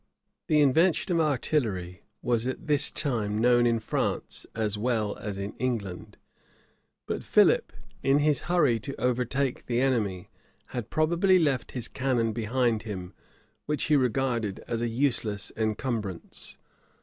The invention of artillery was at this time known in France as well as in England;[] but Philip, in his hurry to overtake the enemy, had probably left his cannon behind him, which he regarded as a useless encumbrance.